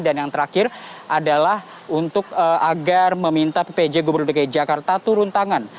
dan yang terakhir adalah untuk agar meminta ppj gubernur dg jakarta turun tangan